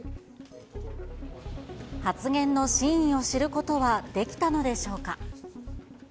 発言の真意を知ることはできたのでしょうか。